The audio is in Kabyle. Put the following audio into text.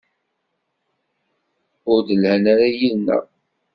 Ur d-lhan ara yid-neɣ.